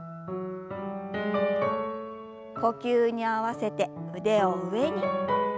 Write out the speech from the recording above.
呼吸に合わせて腕を上に。